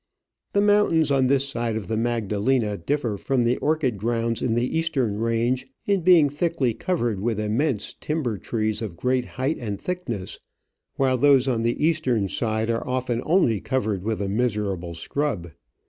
The mountains on this side of the Magda lena differ from the orchid grounds in the eastern range in being thickly covered with immense timber M Digitized by VjOOQIC 178 Travels and Adventures trees of great height and thickness, while those on the eastern side are often only covered with a miserable scrub.